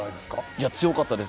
いや、強かったです。